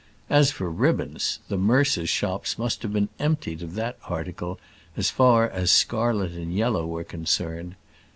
As for ribbons, the mercers' shops must have been emptied of that article, as far as scarlet and yellow were concerned.